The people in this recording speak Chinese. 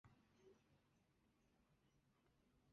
西汉末年右扶风平陵人。